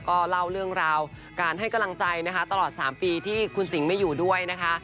ก็เล่าเรื่องราวการให้กำลังใจนะคะตลอด๓ปีที่คุณสิงห์ไม่อยู่ด้วยนะคะ